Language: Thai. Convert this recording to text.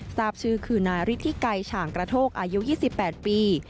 ทราบชื่อคือนายฤทธิไกรฉางกระโทกอายุ๒๘ปี